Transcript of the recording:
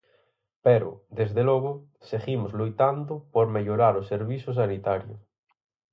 Pero, desde logo, seguimos loitando por mellorar o servizo sanitario.